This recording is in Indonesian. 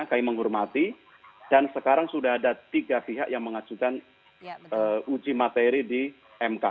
kami menghormati dan sekarang sudah ada tiga pihak yang mengajukan uji materi di mk